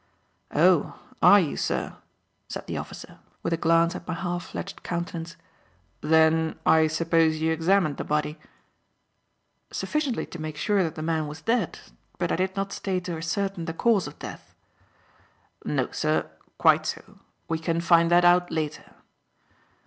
"Oh, are you, sir?" said the officer, with a glance at my half fledged countenance; "then, I suppose you examined the body?" "Sufficiently to make sure that the man was dead, but I did not stay to ascertain the cause of death." "No, sir; quite so. We can find that out later."